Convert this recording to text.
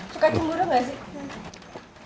suka cemburu nggak sih